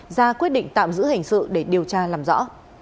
ra quyết định tạm giữ hình sự để điều tra làm rõ